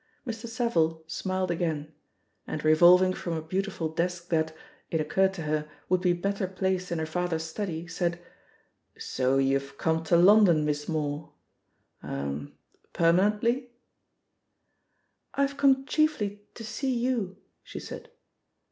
Mr. Savile smiled again, and revolving from a beautiful desk that, it occurred to her, would be better placed in her father's study, said, "So youVe come to London, Miss Moore I Er — ^perma nently r' "IVe come chiefly to see you,'* she said.